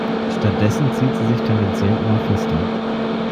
Stattdessen zieht sie sich tendenziell immer fester.